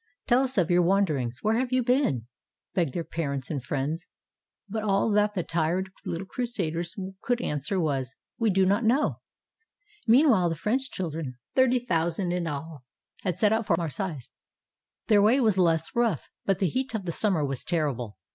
''Tell us of your wanderings. Where have you been?" begged their parents and friends; but all that the tired little crusaders could answer was, "We do not know." Meanwhile, the French children, thirty thousand in 621 PALESTINE all, had set out for Marseilles. Their way was less rough, but the heat of the summer was terrible.